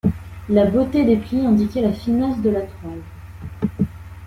La beauté des plis indiquait la finesse de la toile.